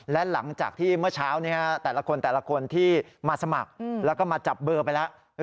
และหลังจากที่เมื่อเช้านี้แต่ละคนแต่ละคนที่มาสมัครแล้วก็มาจับเบอร์ไปแล้ว